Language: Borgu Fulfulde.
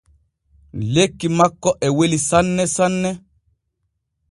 Lekki makko e weli sanne sanne.